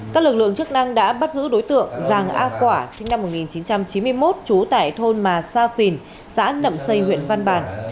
các lực lượng chức năng đã bắt giữ đối tượng giàng a quả sinh năm một nghìn chín trăm chín mươi một trú tại thôn mà sa phìn xã nậm xây huyện văn bàn